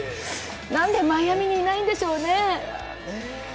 何でマイアミにいないんでしょうね。